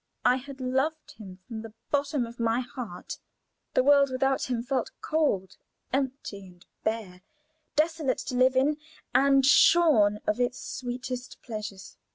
I had loved him from the bottom of my heart; the world without him felt cold, empty and bare desolate to live in, and shorn of its sweetest pleasures.